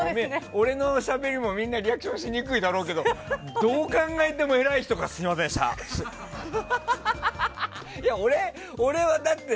俺のしゃべりも、みんなリアクションしにくいだろうけどどう考えても偉い人からすみませんでしたって。